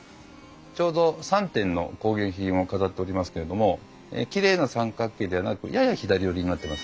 ちょうど３点の工芸品を飾っておりますけれどもきれいな三角形ではなくやや左寄りになってますね。